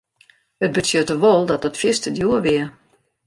It betsjutte wol dat dat fierste djoer wie.